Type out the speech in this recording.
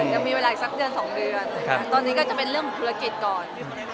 ยังมีเวลาอีกสักเดือน๒เดือนตอนนี้ก็จะเป็นเรื่องของธุรกิจก่อน